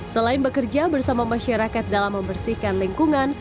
selain bekerja bersama masyarakat dalam membersihkan lingkungan